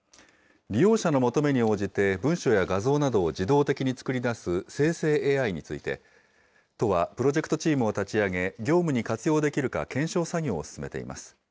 利用者の求めに応じて、文書や画像などを自動的に作り出す生成ＡＩについて、都はプロジェクトチームを立ち上げ、業務に活用できるか検証作業を進めています。